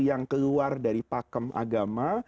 yang keluar dari pakem agama